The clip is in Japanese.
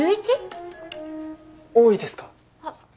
多いですか？